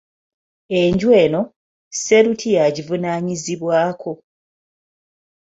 Enju eno, Sseruti y'agivunaanyizibwako.